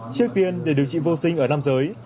trước tiên để điều trị vô sinh ở nam giới